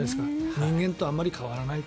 人間とあまり変わらないと。